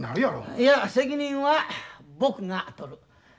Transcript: いや責任は僕が取る。